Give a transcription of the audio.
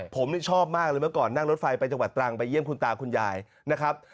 ผมชอบมากเลยเมื่อก่อนนั่งรถไฟไปจังหวัดตรังไปเยี่ยมคุณตาคุณยายนะครับ